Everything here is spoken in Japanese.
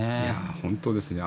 本当ですね。